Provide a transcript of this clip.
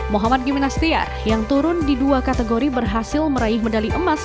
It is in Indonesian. muhammad giminastiar yang turun di dua kategori berhasil meraih medali emas